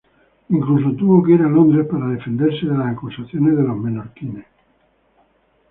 Incluso tuvo que ir a Londres para defenderse de las acusaciones de los menorquines.